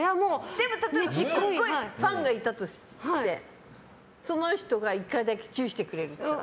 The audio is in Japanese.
でも例えばすごいファンがいたとしてその人が１回だけチューしてくれるって言ったら？